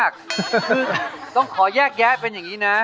คือต้องขอแยกแยะเป็นอย่างนี้นะ